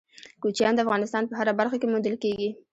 کوچیان د افغانستان په هره برخه کې موندل کېږي.